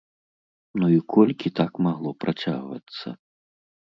Ну і колькі так магло працягвацца?!